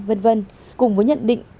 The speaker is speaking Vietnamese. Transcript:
vân vân cùng với nhận định